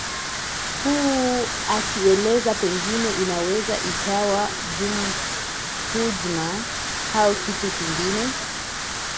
uu akielezea pengine inaweza ikawa hujma au kitu kingine